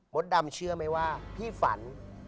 ดำเชื่อไหมว่าพี่ฝัน